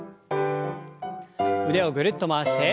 腕をぐるっと回して。